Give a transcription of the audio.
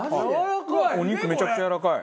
お肉めちゃくちゃやわらかい。